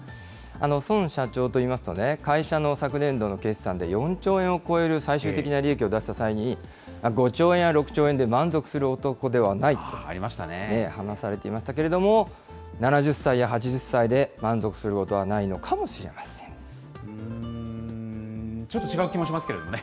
孫社長といいますとね、会社の昨年度の決算で４兆円を超える最終的な利益を出した際に、５兆円や６兆円で満足する男ではないと話されていましたけれども、７０歳や８０歳で満足することはないのちょっと違う気もしますけれどもね。